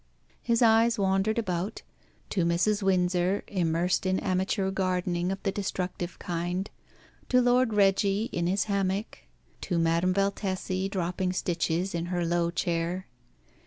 His eyes wandered about, to Mrs. Windsor immersed in amateur gardening of the destructive kind, to Lord Reggie in his hammock, to Madame Valtesi dropping stitches in her low chair.